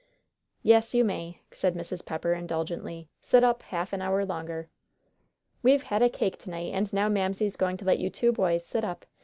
"Yes, you may," said Mrs. Pepper, indulgently, "sit up half an hour longer." "We've had a cake to night, and now Mamsie's going to let you two boys sit up.